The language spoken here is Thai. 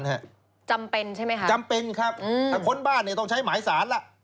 จำเป็นใช่ไหมคะจำเป็นครับถ้าค้นบ้านเนี่ยต้องใช้หมายสารล่ะ